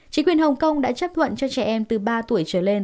chính quyền hồng kông đã chấp thuận cho trẻ em từ ba tuổi trở lên